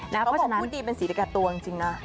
เขาบอกพูดดีเป็นศรีรกะตัวจริงนะ